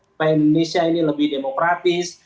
supaya indonesia ini lebih demokratis